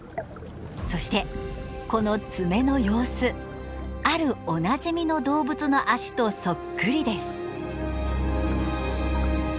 そしてこの爪の様子あるおなじみの動物の足とそっくりです。